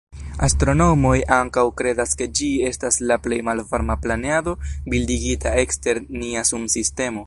Astronomoj ankaŭ kredas ke ĝi estas la plej malvarma planedo bildigita ekster nia Sunsistemo.